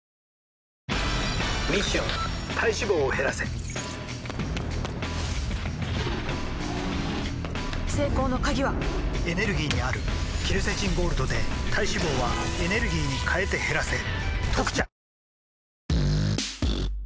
コリャミッション体脂肪を減らせ成功の鍵はエネルギーにあるケルセチンゴールドで体脂肪はエネルギーに変えて減らせ「特茶」